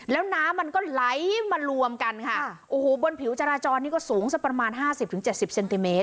แล้วน้ำมันก็ไหลมารวมกันค่ะโอ้โหบนผิวจราจรนี่ก็สูงสักประมาณห้าสิบถึงเจ็ดสิบเซนติเมต